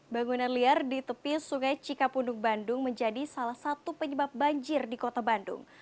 bangunan liar di tepi sungai cikapundung bandung menjadi salah satu penyebab banjir di kota bandung